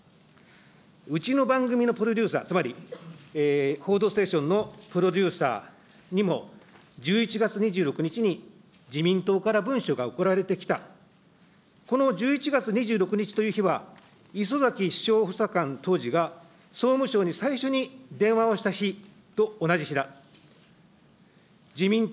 うちの番組のプロデューサー、つまり報道ステーションのプロデューサーにも１１月２６日に自民党から文書が送られてきた、この１１月２６日という日は、礒崎首相補佐官当時が、総務省に最初に電話をした日と同じ日だ。